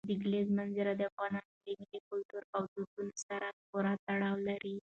د کلیزو منظره د افغانانو له ملي کلتور او دودونو سره پوره تړاو لري.